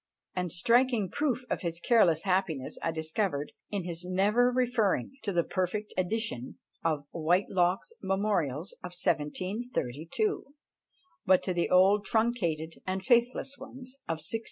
A striking proof of his careless happiness I discovered in his never referring to the perfect edition of "Whitelocke's Memorials" of 1732, but to the old truncated and faithless one of 1682.